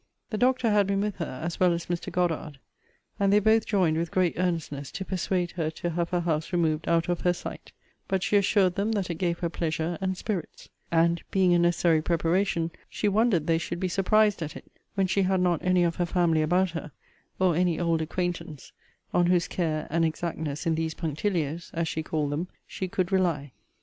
The doctor had been with her, as well as Mr. Goddard; and they both joined with great earnestness to persuade her to have her house removed out of her sight; but she assured them that it gave her pleasure and spirits; and, being a necessary preparation, she wondered they should be surprised at it, when she had not any of her family about her, or any old acquaintance, on whose care and exactness in these punctilios, as she called them, she could rely.